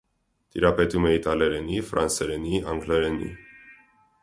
Տիրապետում է իտալերենի, ֆրանսերենի, անգլերենի։